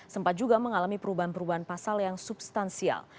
sempat juga mengalami perubahan perubahan pasal yang substansial